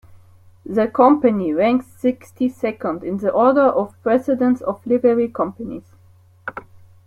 The Company ranks sixty-second in the order of precedence of Livery Companies.